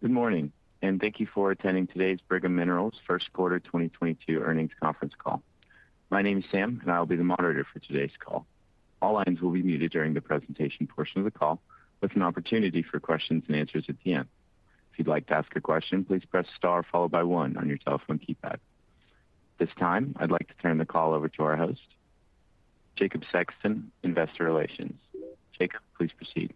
Good morning, and thank you for attending today's Brigham Royalties First Quarter 2022 Earnings Conference Call. My name is Sam, and I'll be the moderator for today's call. All lines will be muted during the presentation portion of the call, with an opportunity for questions and answers at the end. If you'd like to ask a question, please press Star followed by one on your telephone keypad. At this time, I'd like to turn the call over to our host, Jacob Sexton, Investor Relations. Jacob, please proceed.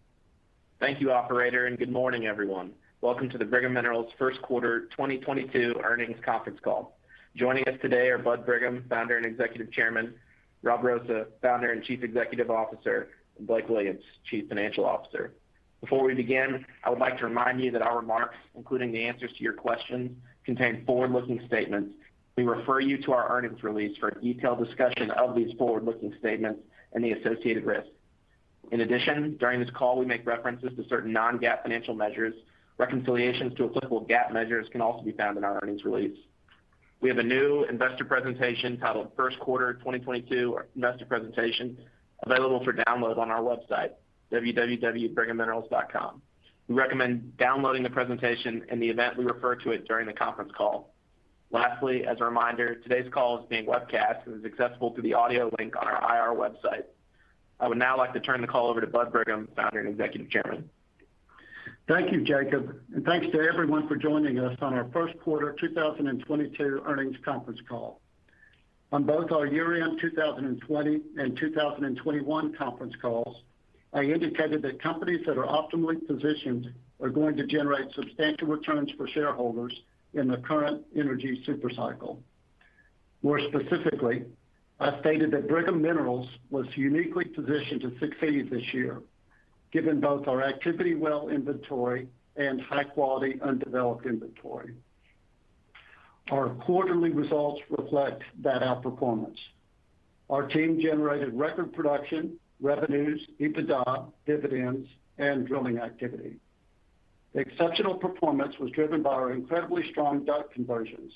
Thank you, operator, and good morning, everyone. Welcome to the Brigham Royalties First Quarter 2022 Earnings Conference Call. Joining us today are Bud Brigham, Founder and Executive Chairman, Rob Roosa, Founder and Chief Executive Officer, and Blake Williams, Chief Financial Officer. Before we begin, I would like to remind you that our remarks, including the answers to your questions, contain forward-looking statements. We refer you to our earnings release for a detailed discussion of these forward-looking statements and the associated risks. In addition, during this call, we make references to certain non-GAAP financial measures. Reconciliations to applicable GAAP measures can also be found in our earnings release. We have a new investor presentation titled First Quarter 2022 Investor Presentation available for download on our website, www.brighamminerals.com. We recommend downloading the presentation in the event we refer to it during the conference call. Lastly, as a reminder, today's call is being webcast and is accessible through the audio link on our IR website. I would now like to turn the call over to Bud Brigham, Founder and Executive Chairman. Thank you, Jacob, and thanks to everyone for joining us on our first quarter 2022 earnings conference call. On both our year-end 2020 and 2021 conference calls, I indicated that companies that are optimally positioned are going to generate substantial returns for shareholders in the current energy super cycle. More specifically, I stated that Brigham Royalties was uniquely positioned to succeed this year, given both our activity well inventory and high-quality undeveloped inventory. Our quarterly results reflect that outperformance. Our team generated record production, revenues, EBITDA, dividends, and drilling activity. Exceptional performance was driven by our incredibly strong DUC conversions,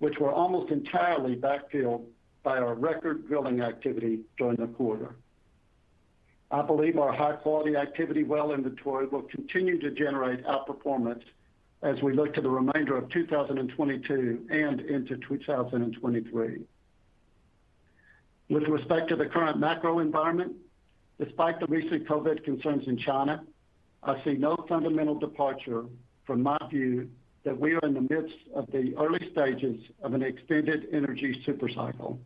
which were almost entirely backfilled by our record drilling activity during the quarter. I believe our high-quality active well inventory will continue to generate outperformance as we look to the remainder of 2022 and into 2023. With respect to the current macro environment, despite the recent COVID concerns in China, I see no fundamental departure from my view that we are in the midst of the early stages of an extended energy super cycle.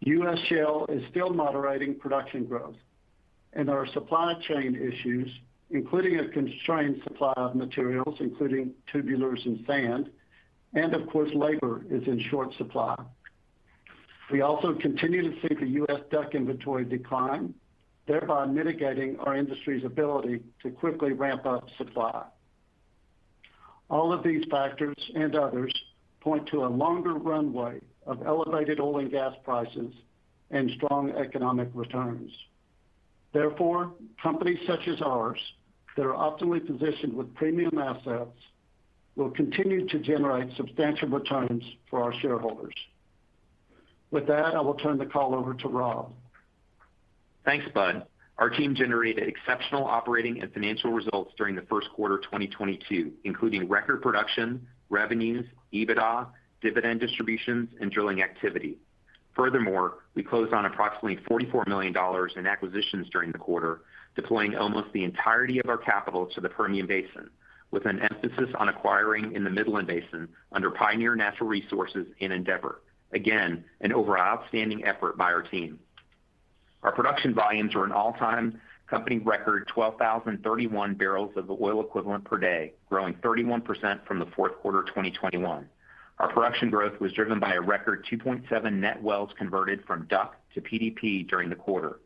U.S. shale is still moderating production growth and our supply chain issues, including a constrained supply of materials, including tubulars and sand, and of course, labor is in short supply. We also continue to see the U.S. DUC inventory decline, thereby mitigating our industry's ability to quickly ramp up supply. All of these factors and others point to a longer runway of elevated oil and gas prices and strong economic returns. Therefore, companies such as ours that are optimally positioned with premium assets will continue to generate substantial returns for our shareholders. With that, I will turn the call over to Rob. Thanks, Bud. Our team generated exceptional operating and financial results during the first quarter 2022, including record production, revenues, EBITDA, dividend distributions, and drilling activity. Furthermore, we closed on approximately $44 million in acquisitions during the quarter, deploying almost the entirety of our capital to the Permian Basin, with an emphasis on acquiring in the Midland Basin under Pioneer Natural Resources and Endeavor. Again, an overall outstanding effort by our team. Our production volumes were an all-time company record 12,031 barrels of oil equivalent per day, growing 31% from the fourth quarter 2021. Our production growth was driven by a record 2.7 net wells converted from DUC to PDP during the quarter.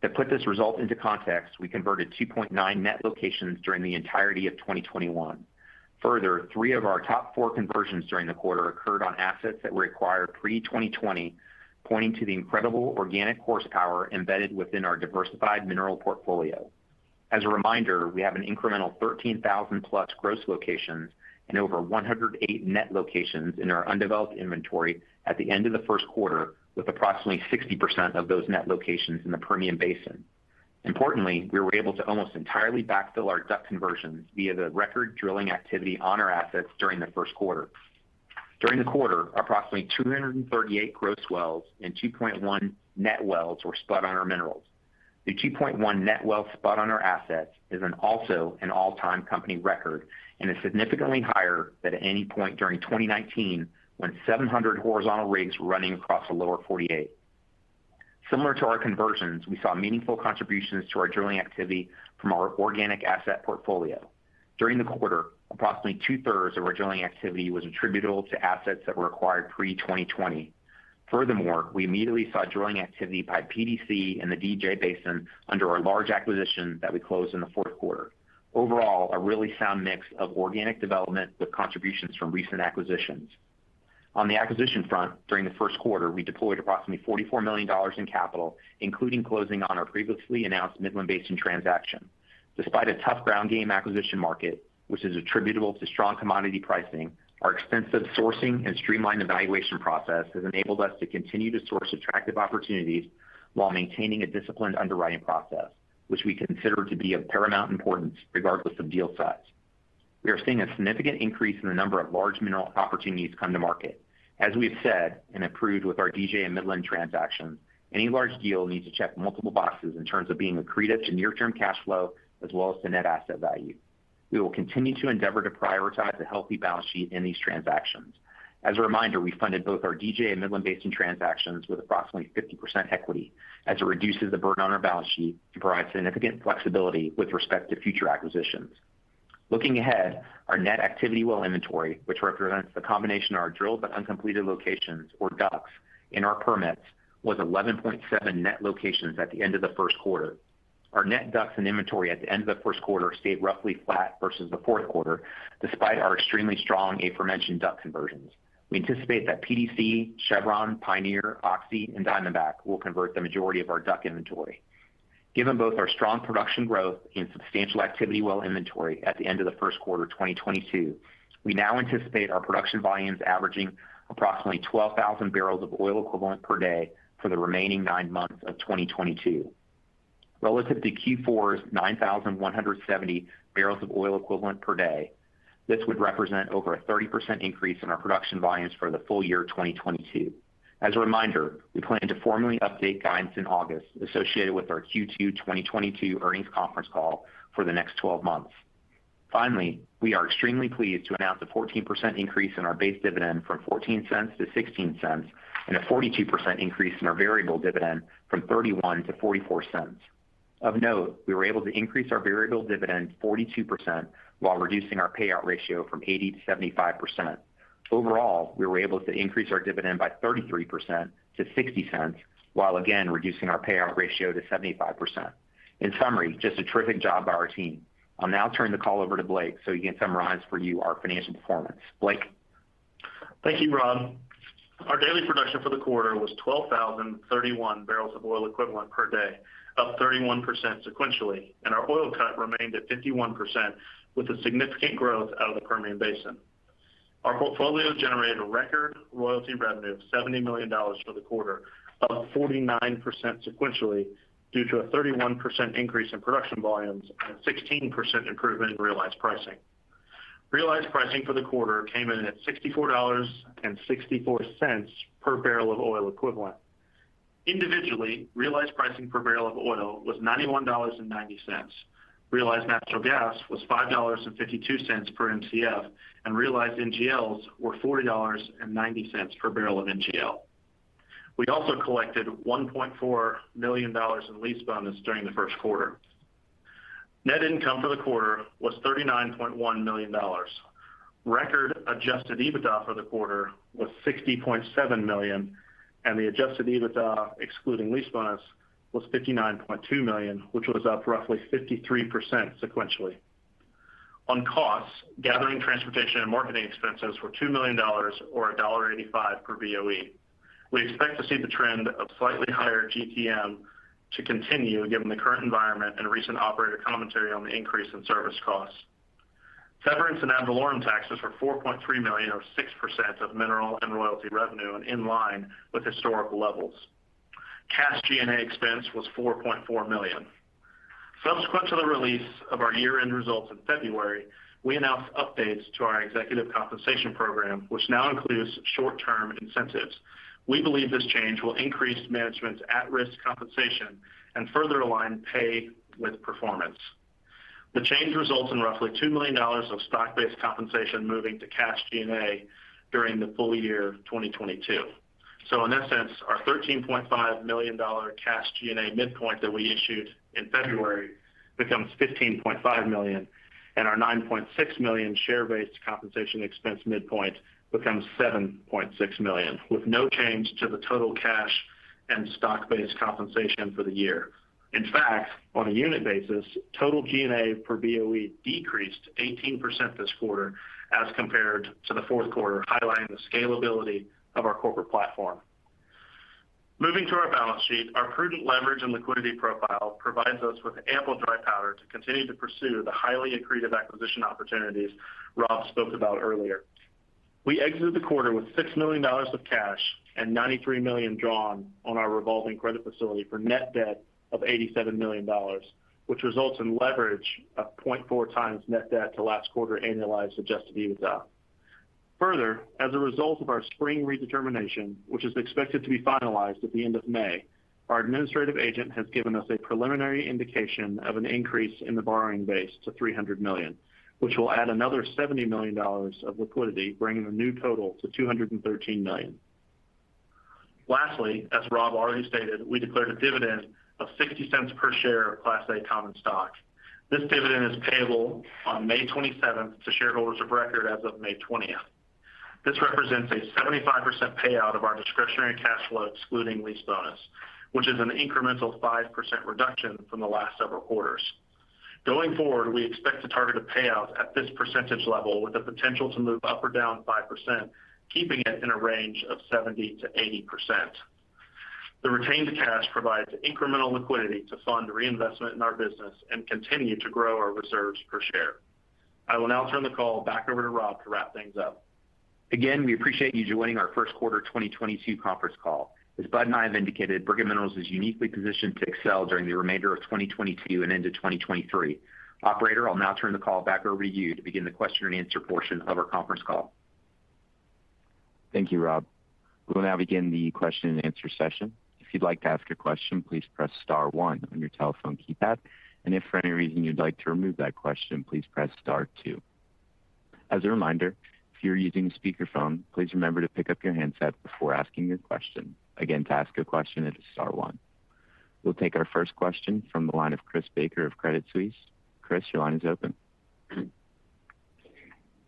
To put this result into context, we converted 2.9 net locations during the entirety of 2021. Further, 3 of our top 4 conversions during the quarter occurred on assets that were acquired pre-2020, pointing to the incredible organic horsepower embedded within our diversified mineral portfolio. As a reminder, we have an incremental 13,000+ gross locations and over 108 net locations in our undeveloped inventory at the end of the first quarter, with approximately 60% of those net locations in the Permian Basin. Importantly, we were able to almost entirely backfill our DUC conversions via the record drilling activity on our assets during the first quarter. During the quarter, approximately 238 gross wells and 2.1 net wells were spud on our minerals. The 2.1 net wells spud on our assets is also an all-time company record and is significantly higher than at any point during 2019 when 700 horizontal rigs were running across the lower 48. Similar to our conversions, we saw meaningful contributions to our drilling activity from our organic asset portfolio. During the quarter, approximately two-thirds of our drilling activity was attributable to assets that were acquired pre-2020. Furthermore, we immediately saw drilling activity by PDC in the DJ Basin under our large acquisition that we closed in the fourth quarter. Overall, a really sound mix of organic development with contributions from recent acquisitions. On the acquisition front, during the first quarter, we deployed approximately $44 million in capital, including closing on our previously announced Midland Basin transaction. Despite a tough ground game acquisition market, which is attributable to strong commodity pricing, our extensive sourcing and streamlined evaluation process has enabled us to continue to source attractive opportunities while maintaining a disciplined underwriting process, which we consider to be of paramount importance regardless of deal size. We are seeing a significant increase in the number of large mineral opportunities come to market. As we have said and approved with our DJ and Midland transaction, any large deal needs to check multiple boxes in terms of being accretive to near term cash flow, as well as to net asset value. We will continue to endeavor to prioritize a healthy balance sheet in these transactions. As a reminder, we funded both our DJ and Midland Basin transactions with approximately 50% equity as it reduces the burden on our balance sheet to provide significant flexibility with respect to future acquisitions. Looking ahead, our net activity well inventory, which represents the combination of our drilled but uncompleted locations or DUCs in our permits, was 11.7 net locations at the end of the first quarter. Our net DUCs and inventory at the end of the first quarter stayed roughly flat versus the fourth quarter, despite our extremely strong aforementioned DUC conversions. We anticipate that PDC, Chevron, Pioneer, Oxy, and Diamondback will convert the majority of our DUC inventory. Given both our strong production growth and substantial activity well inventory at the end of the first quarter 2022, we now anticipate our production volumes averaging approximately 12,000 barrels of oil equivalent per day for the remaining 9 months of 2022. Relative to Q4's 9,170 barrels of oil equivalent per day, this would represent over a 30% increase in our production volumes for the full year 2022. As a reminder, we plan to formally update guidance in August associated with our Q2 2022 earnings conference call for the next twelve months. Finally, we are extremely pleased to announce a 14% increase in our base dividend from $0.14-$0.16, and a 42% increase in our variable dividend from $0.31-$0.44. Of note, we were able to increase our variable dividend 42% while reducing our payout ratio from 80%-75%. Overall, we were able to increase our dividend by 33% to $0.60, while again reducing our payout ratio to 75%. In summary, just a terrific job by our team. I'll now turn the call over to Blake, so he can summarize for you our financial performance. Blake? Thank you, Rob. Our daily production for the quarter was 12,031 barrels of oil equivalent per day, up 31% sequentially, and our oil cut remained at 51% with a significant growth out of the Permian Basin. Our portfolio generated a record royalty revenue of $70 million for the quarter, up 49% sequentially, due to a 31% increase in production volumes and a 16% improvement in realized pricing. Realized pricing for the quarter came in at $64.64 per barrel of oil equivalent. Individually, realized pricing per barrel of oil was $91.90. Realized natural gas was $5.52 per Mcf, and realized NGLs were $40.90 per barrel of NGL. We also collected $1.4 million in lease bonus during the first quarter. Net income for the quarter was $39.1 million. Record adjusted EBITDA for the quarter was $60.7 million, and the adjusted EBITDA excluding lease bonus was $59.2 million, which was up roughly 53% sequentially. On costs, gathering, transportation, and marketing expenses were $2 million or $1.85 per BOE. We expect to see the trend of slightly higher GTM to continue given the current environment and recent operator commentary on the increase in service costs. Severance and ad valorem taxes were $4.3 million or 6% of mineral and royalty revenue and in line with historical levels. Cash G&A expense was $4.4 million. Subsequent to the release of our year-end results in February, we announced updates to our executive compensation program, which now includes short-term incentives. We believe this change will increase management's at-risk compensation and further align pay with performance. The change results in roughly $2 million of stock-based compensation moving to cash G&A during the full year of 2022. In essence, our $13.5 million cash G&A midpoint that we issued in February becomes $15.5 million, and our $9.6 million share-based compensation expense midpoint becomes $7.6 million, with no change to the total cash and stock-based compensation for the year. In fact, on a unit basis, total G&A per BOE decreased 18% this quarter as compared to the fourth quarter, highlighting the scalability of our corporate platform. Moving to our balance sheet, our prudent leverage and liquidity profile provides us with ample dry powder to continue to pursue the highly accretive acquisition opportunities Rob spoke about earlier. We exited the quarter with $6 million of cash and $93 million drawn on our revolving credit facility for net debt of $87 million, which results in leverage of 0.4x net debt to last quarter annualized adjusted EBITDA. Further, as a result of our spring redetermination, which is expected to be finalized at the end of May, our administrative agent has given us a preliminary indication of an increase in the borrowing base to $300 million, which will add another $70 million of liquidity, bringing a new total to $213 million. Lastly, as Rob already stated, we declared a dividend of $0.60 per share of Class A common stock. This dividend is payable on May twenty-seventh to shareholders of record as of May twentieth. This represents a 75% payout of our discretionary cash flow, excluding lease bonus, which is an incremental 5% reduction from the last several quarters. Going forward, we expect to target a payout at this percentage level with the potential to move up or down 5%, keeping it in a range of 70%-80%. The retained cash provides incremental liquidity to fund reinvestment in our business and continue to grow our reserves per share. I will now turn the call back over to Rob to wrap things up. Again, we appreciate you joining our first quarter 2022 conference call. As Bud and I have indicated, Brigham Royalties is uniquely positioned to excel during the remainder of 2022 and into 2023. Operator, I'll now turn the call back over to you to begin the question-and-answer portion of our conference call. Thank you, Rob. We'll now begin the question-and-answer session. If you'd like to ask a question, please press star one on your telephone keypad. If for any reason you'd like to remove that question, please press star two. As a reminder, if you're using speakerphone, please remember to pick up your handset before asking your question. Again, to ask a question, it is star one. We'll take our first question from the line of Chris Baker of Credit Suisse. Chris, your line is open.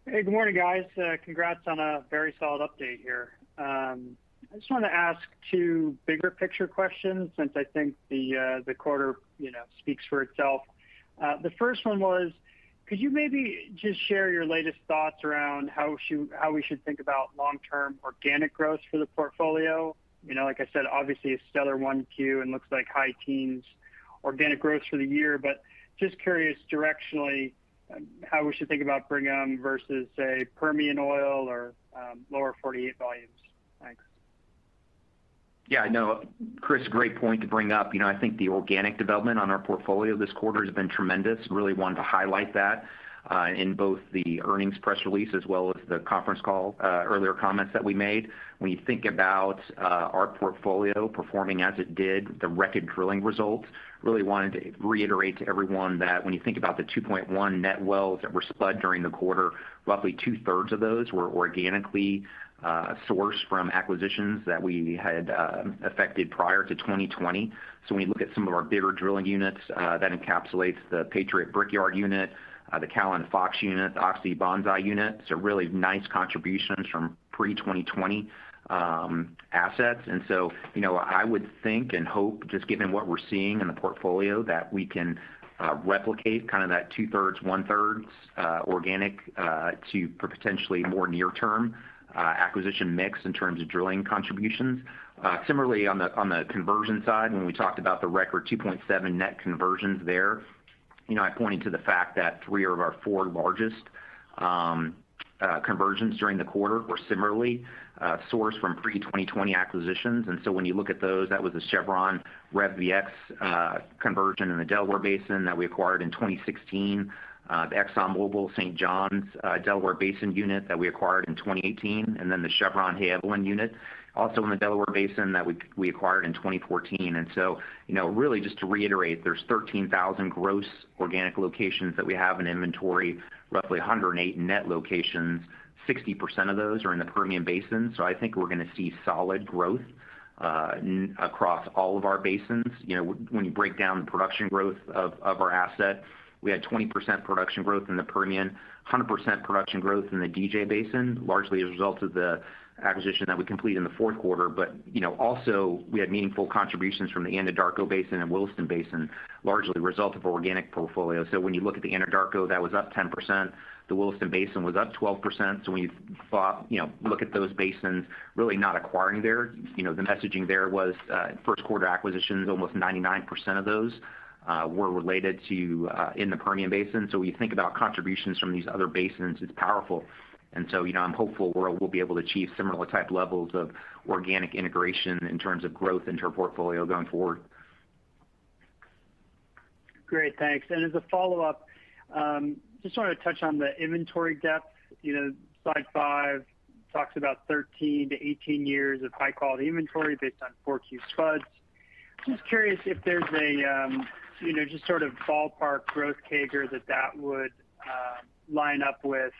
Hey, good morning, guys. Congrats on a very solid update here. I just wanna ask two bigger picture questions since I think the quarter, you know, speaks for itself. The first one was, could you maybe just share your latest thoughts around how we should think about long-term organic growth for the portfolio? You know, like I said, obviously a stellar 1Q, and looks like high teens organic growth for the year. But just curious directionally how we should think about Brigham versus, say, Permian Oil or Lower Forty-Eight volumes. Thanks. Yeah, no. Chris, great point to bring up. You know, I think the organic development on our portfolio this quarter has been tremendous. Really wanted to highlight that in both the earnings press release as well as the conference call, earlier comments that we made. When you think about our portfolio performing as it did, the record drilling results, really wanted to reiterate to everyone that when you think about the 2.1 net wells that were spud during the quarter, roughly two-thirds of those were organically sourced from acquisitions that we had effected prior to 2020. When you look at some of our bigger drilling units, that encapsulates the Patriot Brickyard unit, the Callon Fox unit, Oxy Banzai unit. It's a really nice contributions from pre-2020 assets. You know, I would think and hope, just given what we're seeing in the portfolio, that we can replicate kind of that two-thirds, one-thirds organic to potentially more near term acquisition mix in terms of drilling contributions. Similarly on the conversion side, when we talked about the record 2.7 net conversions there, you know, I pointed to the fact that 3 of our 4 largest conversions during the quarter were similarly sourced from pre-2020 acquisitions. When you look at those, that was a Chevron Revex conversion in the Delaware Basin that we acquired in 2016. The ExxonMobil St. John's Delaware Basin unit that we acquired in 2018, and then the Chevron Havilland unit also in the Delaware Basin that we acquired in 2014. You know, really just to reiterate, there's 13,000 gross organic locations that we have in inventory, roughly 108 net locations. 60% of those are in the Permian Basin. I think we're gonna see solid growth across all of our basins. You know, when you break down the production growth of our asset, we had 20% production growth in the Permian, 100% production growth in the DJ Basin, largely as a result of the acquisition that we completed in the fourth quarter. You know, also we had meaningful contributions from the Anadarko Basin and Williston Basin, largely the result of organic portfolio. When you look at the Anadarko, that was up 10%. The Williston Basin was up 12%. When you know, look at those basins, really not acquiring there, you know, the messaging there was, first quarter acquisitions, almost 99% of those, were related to in the Permian Basin. When you think about contributions from these other basins, it's powerful. You know, I'm hopeful we'll be able to achieve similar type levels of organic integration in terms of growth into our portfolio going forward. Great. Thanks. As a follow-up, just wanted to touch on the inventory depth. You know, slide 5 talks about 13-18 years of high-quality inventory based on 4Q spuds. Just curious if there's a, you know, just sort of ballpark growth CAGR that that would line up with.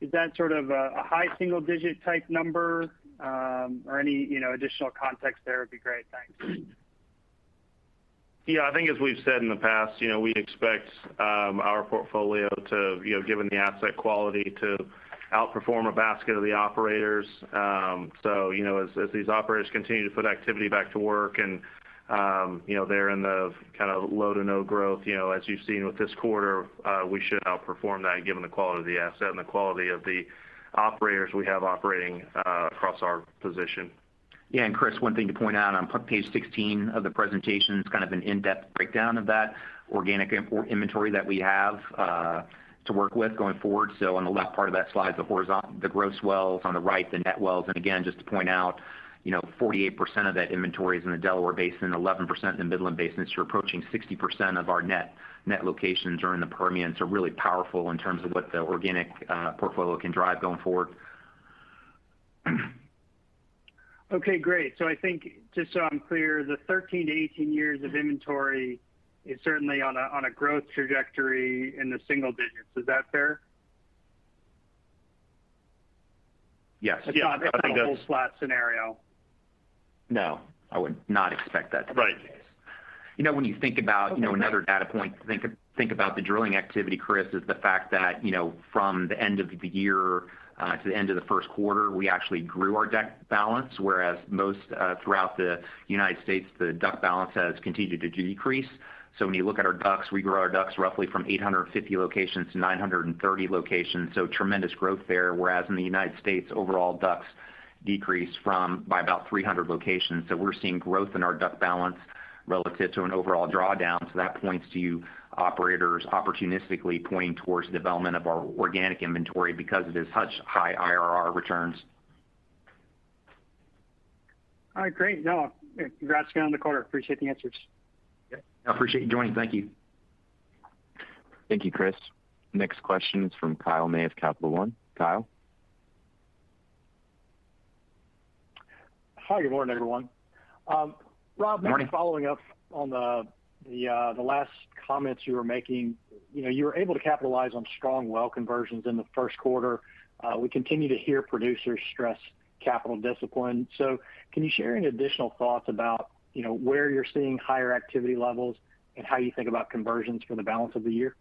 Is that sort of a high single digit type number? Or any, you know, additional context there would be great. Thanks. Yeah. I think as we've said in the past, you know, we'd expect our portfolio to, you know, given the asset quality, to outperform a basket of the operators. So, you know, as these operators continue to put activity back to work and, you know, they're in the kind of low to no growth, you know, as you've seen with this quarter, we should outperform that given the quality of the asset and the quality of the operators we have operating across our position. Yeah. Chris, one thing to point out on page sixteen of the presentation, it's kind of an in-depth breakdown of that organic inventory that we have to work with going forward. So on the left part of that slide, the gross wells, on the right, the net wells. Again, just to point out, you know, 48% of that inventory is in the Delaware Basin, 11% in the Midland Basin. You're approaching 60% of our net locations are in the Permian. Really powerful in terms of what the organic portfolio can drive going forward. Okay. Great. I think, just so I'm clear, the 13-18 years of inventory is certainly on a growth trajectory in the single digits. Is that fair? Yes. Yeah. I think that's. It's not a whole flat scenario. No, I would not expect that to be the case. Right. You know, when you think about, you know, another data point to think about the drilling activity, Chris, is the fact that, you know, from the end of the year to the end of the first quarter, we actually grew our DUC balance, whereas most throughout the United States, the DUC balance has continued to decrease. When you look at our DUCs, we grew our DUCs roughly from 850 locations to 930 locations, tremendous growth there. Whereas in the United States, overall DUCs decreased by about 300 locations. We're seeing growth in our DUC balance relative to an overall drawdown. That points to operators opportunistically pointing towards development of our organic inventory because of such high IRR returns. All right, great. No, congrats again on the quarter. Appreciate the answers. Yeah. I appreciate you joining. Thank you. Thank you, Chris. Next question is from Kyle May of Capital One. Kyle. Hi, good morning, everyone. Morning Following up on the last comments you were making. You know, you were able to capitalize on strong well conversions in the first quarter. We continue to hear producers stress capital discipline. Can you share any additional thoughts about, you know, where you're seeing higher activity levels and how you think about conversions for the balance of the year?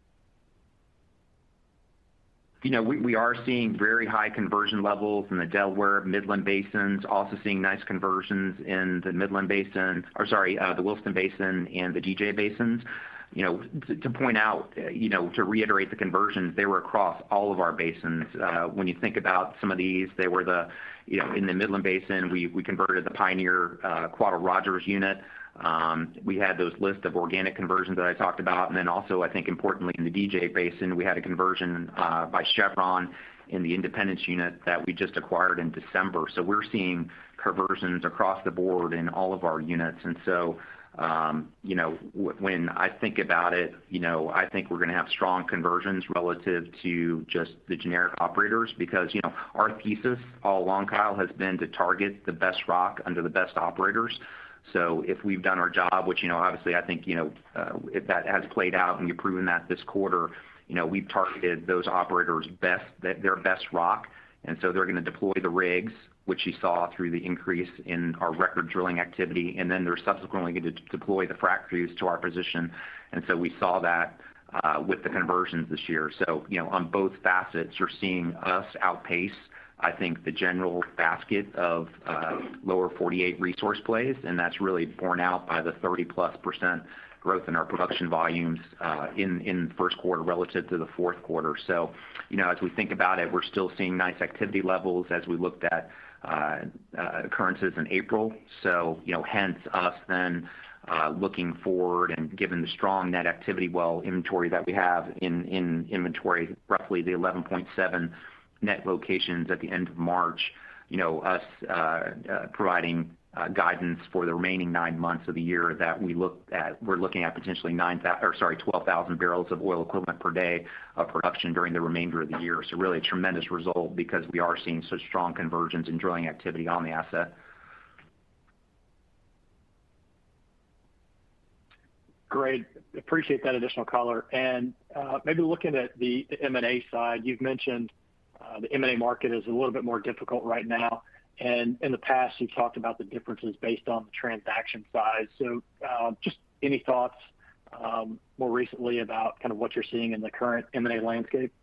You know, we are seeing very high conversion levels in the Delaware, Midland basins. Also seeing nice conversions in the Midland Basin, the Wolfcamp Basin and the DJ basins. You know, to point out, you know, to reiterate the conversions, they were across all of our basins. When you think about some of these, they were, you know, in the Midland Basin, we converted the Pioneer Quata Rogers unit. We had those lists of organic conversions that I talked about. Then also, I think importantly, in the DJ Basin, we had a conversion by Chevron in the Independence unit that we just acquired in December. We're seeing conversions across the board in all of our units. When I think about it, you know, I think we're gonna have strong conversions relative to just the generic operators because, you know, our thesis all along, Kyle, has been to target the best rock under the best operators. If we've done our job, which, you know, obviously, I think, you know, that has played out and we've proven that this quarter. You know, we've targeted those operators' best rock, and so they're gonna deploy the rigs, which you saw through the increase in our record drilling activity, and then they're subsequently going to deploy the frac crews to our position. We saw that with the conversions this year. You know, on both facets, you're seeing us outpace, I think, the general basket of, lower 48 resource plays, and that's really borne out by the 30+% growth in our production volumes, in the first quarter relative to the fourth quarter. You know, as we think about it, we're still seeing nice activity levels as we looked at operations in April. You know, hence us then, looking forward and given the strong net active well inventory that we have in inventory, roughly the 11.7 net locations at the end of March. Us providing guidance for the remaining nine months of the year that we look at. We're looking at potentially 12,000 barrels of oil equivalent per day of production during the remainder of the year. Really a tremendous result because we are seeing such strong conversions and drilling activity on the asset. Great. Appreciate that additional color. Maybe looking at the M&A side. You've mentioned the M&A market is a little bit more difficult right now. In the past, you've talked about the differences based on the transaction size. Just any thoughts, more recently about kind of what you're seeing in the current M&A landscape?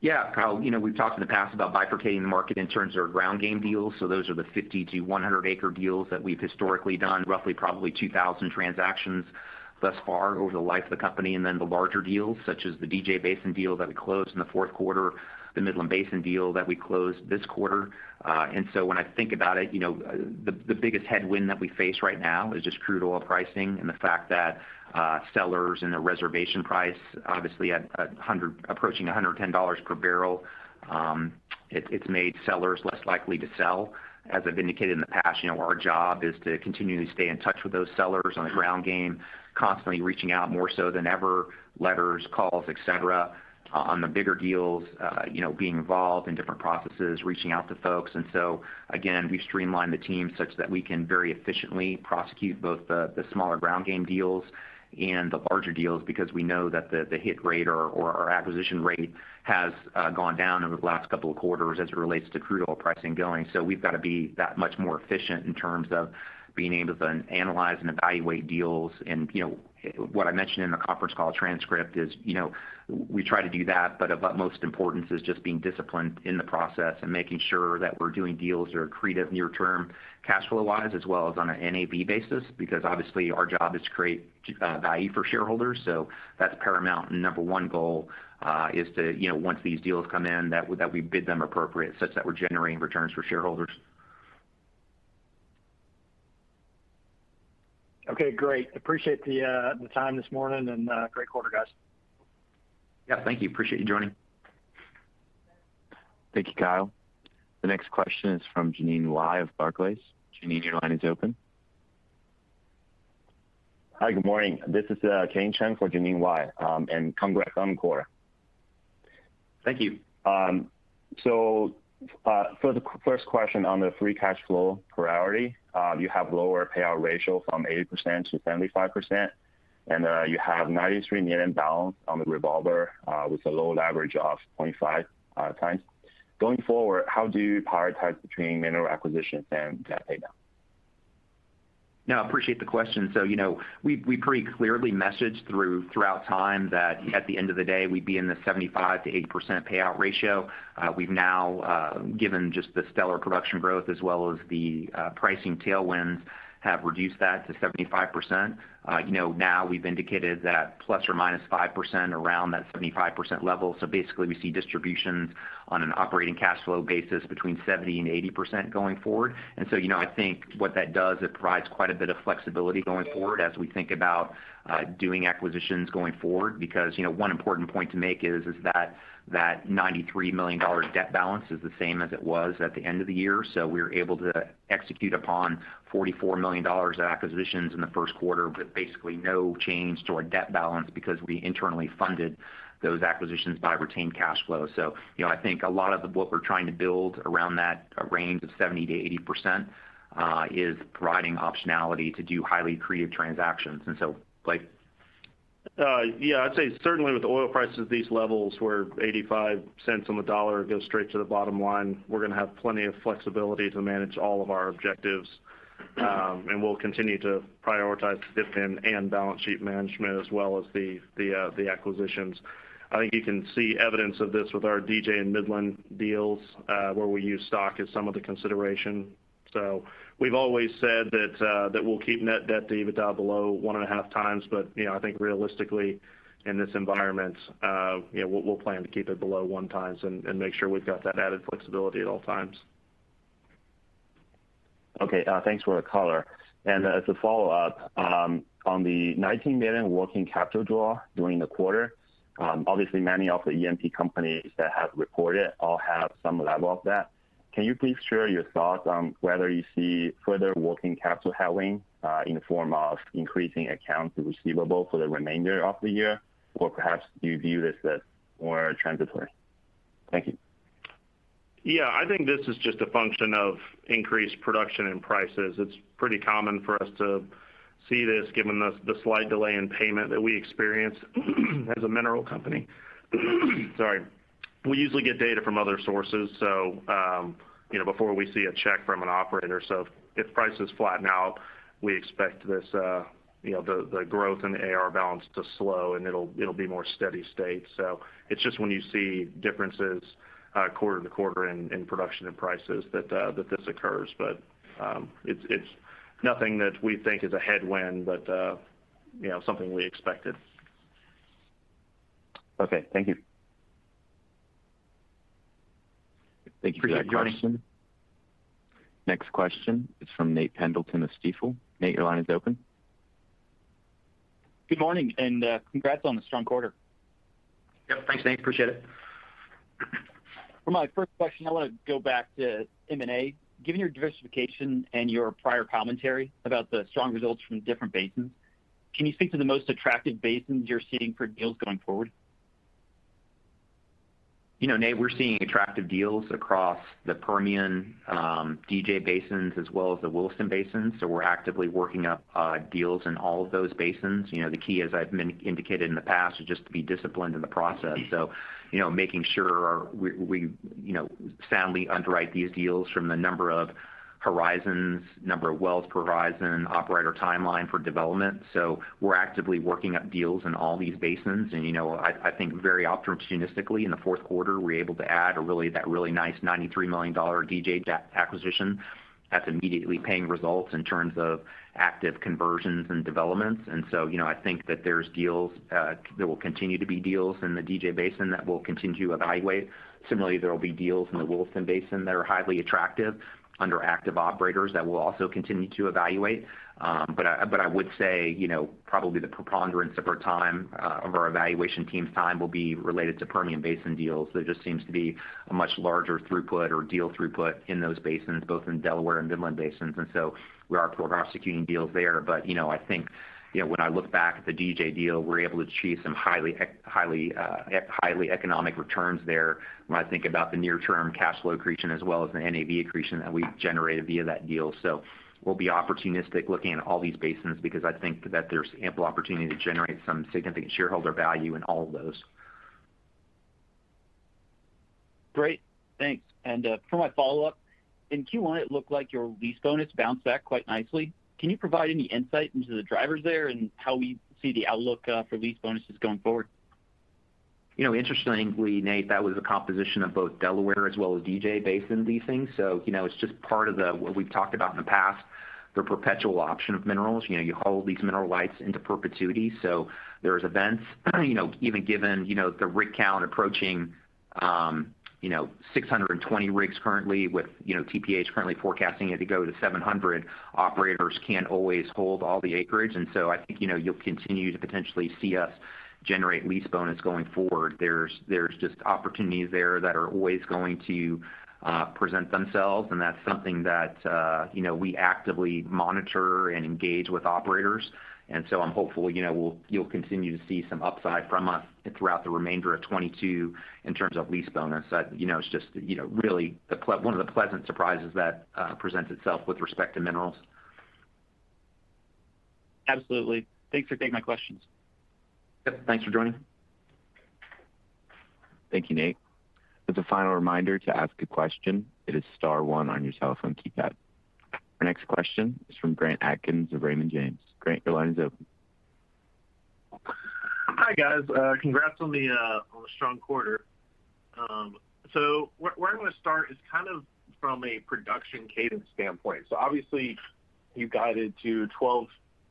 Yeah, Kyle. You know, we've talked in the past about bifurcating the market in terms of ground game deals. So those are the 50- to 100-acre deals that we've historically done, roughly probably 2,000 transactions thus far over the life of the company. Then the larger deals, such as the DJ Basin deal that we closed in the fourth quarter, the Midland Basin deal that we closed this quarter. When I think about it, you know, the biggest headwind that we face right now is just crude oil pricing and the fact that sellers and the reservation price obviously at $100 approaching $110 per barrel, it's made sellers less likely to sell. As I've indicated in the past, you know, our job is to continue to stay in touch with those sellers on the ground game, constantly reaching out more so than ever, letters, calls, et cetera, on the bigger deals, you know, being involved in different processes, reaching out to folks. Again, we've streamlined the team such that we can very efficiently prosecute both the smaller ground game deals and the larger deals because we know that the hit rate or our acquisition rate has gone down over the last couple of quarters as it relates to crude oil pricing going. We've got to be that much more efficient in terms of being able to analyze and evaluate deals. You know, what I mentioned in the conference call transcript is, you know, we try to do that, but of utmost importance is just being disciplined in the process and making sure that we're doing deals that are accretive near term cash flow-wise, as well as on an NAV basis, because obviously our job is to create value for shareholders. So that's paramount. Number one goal is to, you know, once these deals come in, that we bid them appropriate such that we're generating returns for shareholders. Okay, great. Appreciate the time this morning and great quarter, guys. Yeah, thank you. Appreciate you joining. Thank you, Kyle. The next question is from Jeanine Wai of Barclays. Jeanine, your line is open. Hi, good morning. This is Kenneth Chang for Jeanine Wai. Congrats on the quarter. Thank you. For the first question on the free cash flow priority, you have lower payout ratio from 80% to 75%, and you have $93 million on the revolver, with a leverage of 0.5 times. Going forward, how do you prioritize between mineral acquisitions and debt pay down? No, I appreciate the question. You know, we pretty clearly messaged throughout time that at the end of the day, we'd be in the 75%-80% payout ratio. We've now given just the stellar production growth as well as the pricing tailwinds, have reduced that to 75%. You know, now we've indicated that ±5% around that 75% level. Basically, we see distributions on an operating cash flow basis between 70%-80% going forward. You know, I think what that does, it provides quite a bit of flexibility going forward as we think about doing acquisitions going forward. Because, you know, one important point to make is that $93 million debt balance is the same as it was at the end of the year. We're able to execute upon $44 million of acquisitions in the first quarter, with basically no change to our debt balance because we internally funded those acquisitions by retained cash flow. You know, I think a lot of what we're trying to build around that range of 70%-80% is providing optionality to do highly accretive transactions. Blake? Yeah, I'd say certainly with oil prices at these levels, where $0.85 on the dollar goes straight to the bottom line, we're gonna have plenty of flexibility to manage all of our objectives. We'll continue to prioritize dividend and balance sheet management as well as the acquisitions. I think you can see evidence of this with our DJ and Midland deals, where we use stock as some of the consideration. We've always said that we'll keep net debt to EBITDA below 1.5x. You know, I think realistically, in this environment, you know, we'll plan to keep it below 1x and make sure we've got that added flexibility at all times. Okay. Thanks for the color. As a follow-up, on the $19 million working capital draw during the quarter, obviously many of the E&P companies that have reported all have some level of that. Can you please share your thoughts on whether you see further working capital heading, in the form of increasing accounts receivable for the remainder of the year? Or perhaps do you view this as more transitory? Thank you. Yeah. I think this is just a function of increased production and prices. It's pretty common for us to see this, given the slight delay in payment that we experience as a mineral company. Sorry. We usually get data from other sources, so you know, before we see a check from an operator. If prices flatten out, we expect this, you know, the growth in the AR balance to slow and it'll be more steady state. It's just when you see differences quarter-over-quarter in production and prices that this occurs. It's nothing that we think is a headwind, but you know, something we expected. Okay, thank you. Thank you for that question. Appreciate you joining. Next question is from Nathan Pendleton of Stifel. Nate, your line is open. Good morning, and congrats on the strong quarter. Yep. Thanks, Nate. Appreciate it. For my first question, I wanna go back to M&A. Given your diversification and your prior commentary about the strong results from different basins, can you speak to the most attractive basins you're seeing for deals going forward? You know, Nate, we're seeing attractive deals across the Permian, DJ basins as well as the Wolfcamp Basin. We're actively working up deals in all of those basins. You know, the key, as I've indicated in the past, is just to be disciplined in the process. You know, making sure we, you know, soundly underwrite these deals from the number of horizons, number of wells per horizon, operator timeline for development. We're actively working up deals in all these basins. You know, I think very opportunistically in the fourth quarter, we were able to add that really nice $93 million DJ deal acquisition that's immediately paying results in terms of active conversions and developments. You know, I think that there's deals. There will continue to be deals in the DJ Basin that we'll continue to evaluate. Similarly, there will be deals in the Wolfcamp Basin that are highly attractive under active operators that we'll also continue to evaluate. But I would say, you know, probably the preponderance of our time, of our evaluation team's time will be related to Permian Basin deals. There just seems to be a much larger throughput or deal throughput in those basins, both in Delaware and Midland basins, and so we are prosecuting deals there. You know, I think, you know, when I look back at the DJ deal, we were able to achieve some highly economic returns there when I think about the near-term cash flow accretion as well as the NAV accretion that we generated via that deal. We'll be opportunistic looking at all these basins because I think that there's ample opportunity to generate some significant shareholder value in all of those. Great. Thanks. For my follow-up, in Q1, it looked like your lease bonus bounced back quite nicely. Can you provide any insight into the drivers there and how we see the outlook, for lease bonuses going forward? You know, interestingly, Nate, that was a composition of both Delaware as well as DJ Basin leasing. You know, it's just part of what we've talked about in the past, the perpetual option of minerals. You know, you hold these mineral rights into perpetuity. There's events, you know, even given, you know, the rig count approaching, you know, 620 rigs currently with, you know, EIA is currently forecasting it to go to 700, operators can't always hold all the acreage. I think, you know, you'll continue to potentially see us generate lease bonus going forward. There's just opportunities there that are always going to present themselves, and that's something that, you know, we actively monitor and engage with operators. I'm hopeful, you know, you'll continue to see some upside from us throughout the remainder of 2022 in terms of lease bonus. That, you know, it's just, you know, really one of the pleasant surprises that presents itself with respect to minerals. Absolutely. Thanks for taking my questions. Yep. Thanks for joining. Thank you, Nate. As a final reminder to ask a question, it is star one on your telephone keypad. Our next question is from Grant Adkins of Raymond James. Grant, your line is open. Hi, guys. Congrats on the strong quarter. Where I'm gonna start is kind of from a production cadence standpoint. Obviously you guided to 12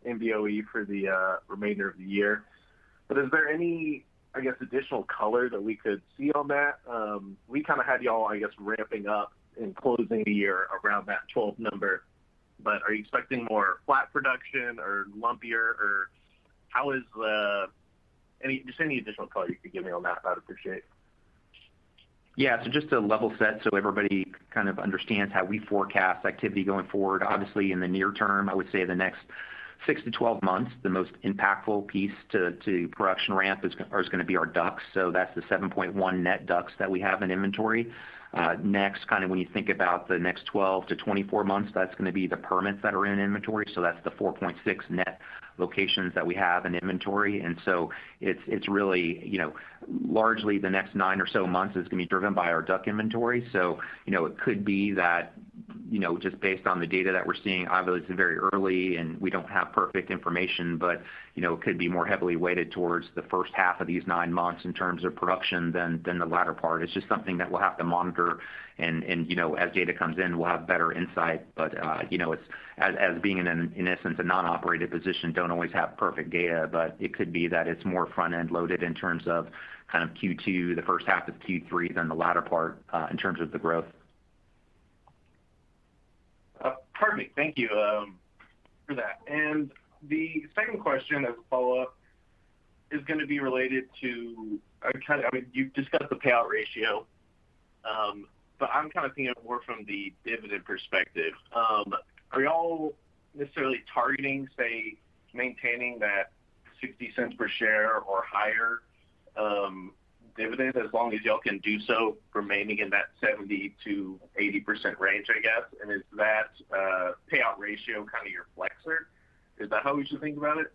MBOE for the remainder of the year. Is there any, I guess, additional color that we could see on that? We kind of had y'all, I guess, ramping up and closing the year around that 12 number, but are you expecting more flat production or lumpier? Any additional color you could give me on that, I'd appreciate. Yeah. Just to level set so everybody kind of understands how we forecast activity going forward. Obviously in the near term, I would say the next 6-12 months, the most impactful piece to production ramp is gonna be our DUCs. That's the 7.1 net DUCs that we have in inventory. Next kind of when you think about the next 12-24 months, that's gonna be the permits that are in inventory. That's the 4.6 net locations that we have in inventory. It's really, you know, largely the next 9 or so months is gonna be driven by our DUC inventory. You know, it could be that, you know, just based on the data that we're seeing, obviously it's very early and we don't have perfect information, but, you know, it could be more heavily weighted towards the first half of these nine months in terms of production than the latter part. It's just something that we'll have to monitor and, you know, as data comes in, we'll have better insight. You know, it's as being in essence a non-operated position, don't always have perfect data, but it could be that it's more front end loaded in terms of kind of Q2, the first half of Q3 than the latter part in terms of the growth. Perfect. Thank you for that. The second question as a follow-up is gonna be related to I mean, you've discussed the payout ratio, but I'm kind of thinking more from the dividend perspective. Are y'all necessarily targeting, say, maintaining that $0.60 per share or higher dividend as long as y'all can do so remaining in that 70%-80% range, I guess? Is that payout ratio kind of your flexor? Is that how we should think about it?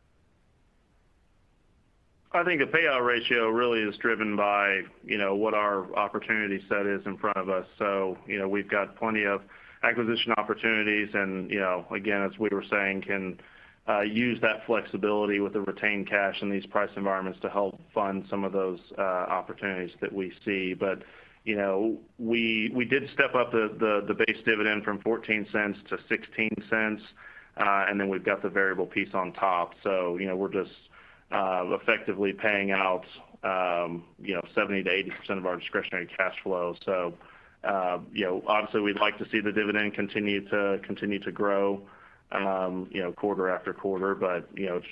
I think the payout ratio really is driven by, you know, what our opportunity set is in front of us. You know, we've got plenty of acquisition opportunities and, you know, again, as we were saying, can use that flexibility with the retained cash in these price environments to help fund some of those opportunities that we see. You know, we did step up the base dividend from $0.14 to $0.16, and then we've got the variable piece on top. You know, we're just effectively paying out, you know, 70%-80% of our discretionary cash flow. You know, obviously we'd like to see the dividend continue to grow, you know, quarter after quarter. You know,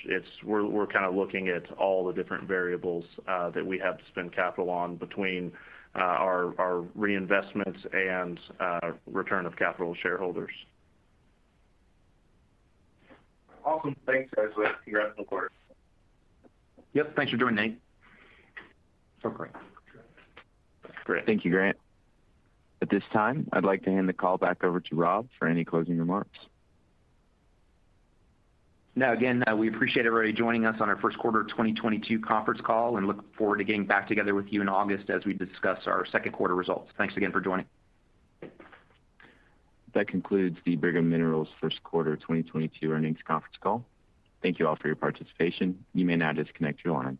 we're kind of looking at all the different variables that we have to spend capital on between our reinvestments and return of capital to shareholders. Awesome. Thanks, guys. Congrats on the quarter. Yep. Thanks for joining, Nate. No problem. Great. Thank you, Grant. At this time, I'd like to hand the callback over to Rob for any closing remarks. No, again, we appreciate everybody joining us on our first quarter 2022 conference call, and look forward to getting back together with you in August as we discuss our second quarter results. Thanks again for joining. That concludes the Brigham Royalties first quarter 2022 earnings conference call. Thank you all for your participation. You may now disconnect your lines